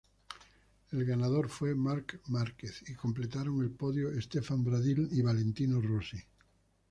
El ganador fue Marc Márquez y completaron el podio Stefan Bradl y Valentino Rossi.